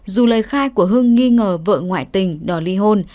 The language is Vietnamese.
dù lời khai của hưng nghi ngờ vợ ngoại tình đòi ly hôn